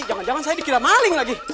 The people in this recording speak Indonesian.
jangan jangan saya dikira maling lagi